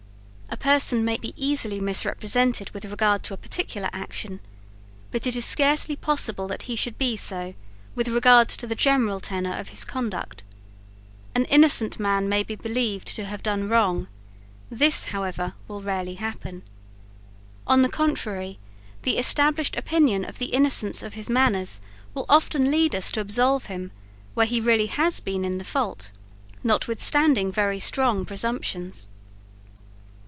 A person may be easily misrepresented with regard to a particular action; but it is scarcely possible that he should be so with regard to the general tenor of his conduct. An innocent man may be believed to have done wrong: this, however, will rarely happen. On the contrary, the established opinion of the innocence of his manners will often lead us to absolve him where he has really been in the fault, notwithstanding very strong presumptions."